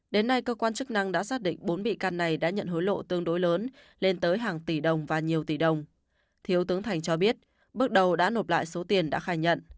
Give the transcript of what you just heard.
đến nay cơ quan chức năng đã xác định bốn bị can này đã nhận hối lộ tương đối lớn lên tới hàng tỷ đồng và nhiều tỷ đồng